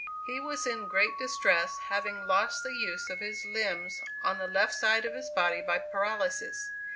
He was in great distress, having lost the use of his limbs on the left side of his body by paralysis.